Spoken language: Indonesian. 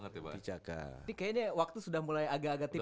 ini kayaknya waktu sudah mulai agak agak tipis